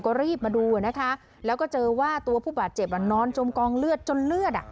ก็รีบมาดูนะคะแล้วก็เจอว่าตัวผู้บาดเจ็บอ่ะนอนจมกองเลือดจนเลือดอ่ะ